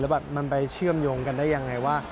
แล้วมันไปเชื่อมยงกันได้อย่างไรว่า